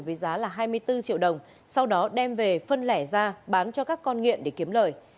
với giá là hai mươi bốn triệu đồng sau đó đem về phân lẻ ra bán cho các con nghiện để kiếm lời